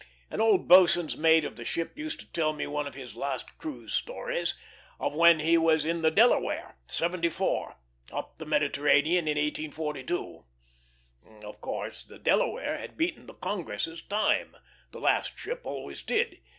An old boatswain's mate of the ship used to tell me one of his "last cruise" stories, of when he "was in the Delaware, seventy four, up the Mediterranean, in 1842." Of course, the Delaware had beaten the Congress's time; the last ship always did.